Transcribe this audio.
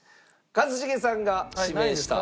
一茂さんが指名した。